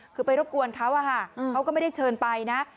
คือไปรบกวนเขาอะค่ะเขาก็ไม่ได้เชิญไปนะ